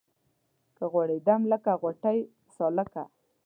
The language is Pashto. که غوړېدم لکه غوټۍ سالکه